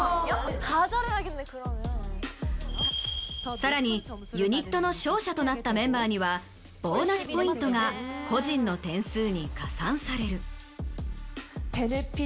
さらにユニットの勝者となったメンバーにはボーナスポイントが個人の点数に加算される。